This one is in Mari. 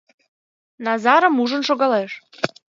Назарым ужын шогалеш.